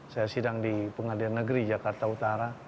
saya sidang di pengadilan negeri jakarta utara